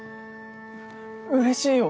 ううれしいよ。